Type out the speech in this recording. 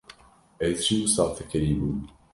- Ez jî wisa fikirîbûm.